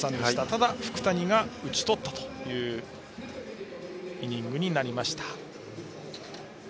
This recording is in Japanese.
ただ、福谷が打ち取ったというイニングになりました。